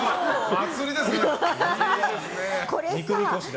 祭りですね。